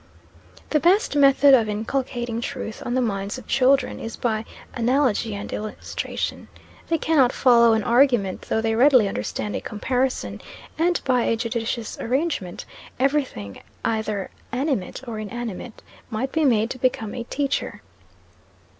The best method of inculcating truth on the minds of children is by analogy and illustration. They cannot follow an argument, though they readily understand a comparison: and, by a judicious arrangement, every thing, either animate or inanimate, might be made to become a teacher.